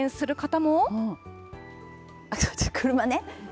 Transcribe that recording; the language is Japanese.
車ね。